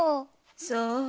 そう。